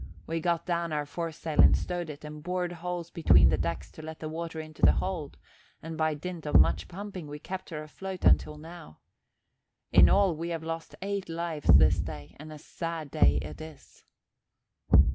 We got down our foresail and stowed it and bored holes between the decks to let the water into the hold and by dint of much pumping we kept her afloat until now. In all we have lost eight lives this day and a sad day it is."